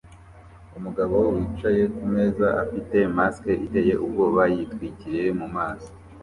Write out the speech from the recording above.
umugabo wicaye kumeza afite mask iteye ubwoba yitwikiriye mumaso